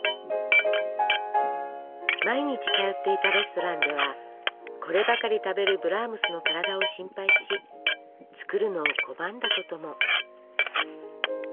毎日通っていたレストランではこればかり食べるブラームスの体を心配し作るのを拒んだことも。